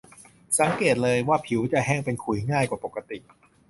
สังเกตเลยว่าผิวจะแห้งเป็นขุยง่ายกว่าปกติ